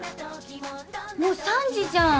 もう３時じゃん。